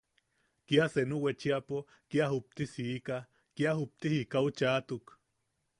Kia senu wechiapo kia juptisiika, kia jupti jikau chaʼatuk.